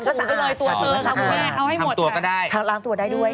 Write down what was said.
แต่ผมเคยยังงินว่าเค้าป้นมาตัวไฟเอ้ย